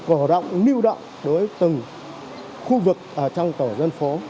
cổ động lưu động đối với từng khu vực ở trong tổ dân phố